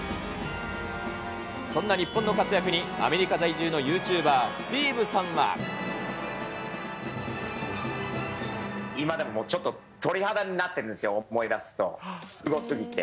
そんな日本の活躍に、アメリカ在住のユーチューバー、スティーブさんは。今でもちょっと鳥肌になっているんですよ、思い出すと、すごすぎて。